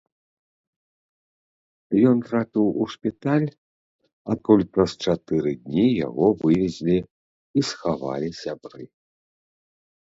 Ён трапіў у шпіталь, адкуль праз чатыры дні яго вывезлі і схавалі сябры.